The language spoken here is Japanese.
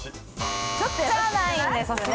じゃないんですね。